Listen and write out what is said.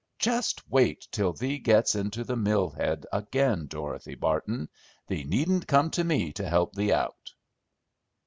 "Just wait till thee gets into the mill head again, Dorothy Barton! Thee needn't come to me to help thee out!"